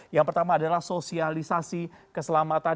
yang pertama adalah sosialisasi keselamatan